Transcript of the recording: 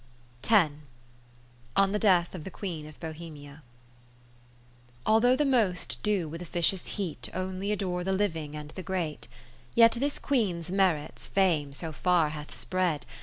30 On the Death of the Queen of Bohemia Although the most do with offi cious heat Only adore the living and the great ; Yet this Queen's merits Fame so far hath spread.